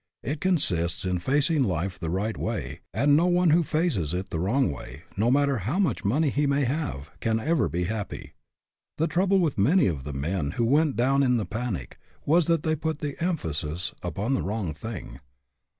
It con sists in facing life the right way, and no pne who faces it the wrong way, no matter how much money he may have, can ever be happy. The trouble with many of the men who went down in the panic was that they put the emphasis upon the wrong thing.